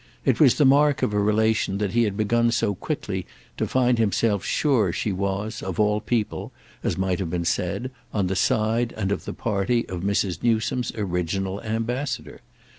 It was the mark of a relation that he had begun so quickly to find himself sure she was, of all people, as might have been said, on the side and of the party of Mrs. Newsome's original ambassador.